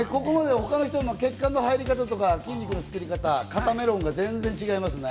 他の人の血管の入り方とか、筋肉の作り方、肩メロンが全然違いますね。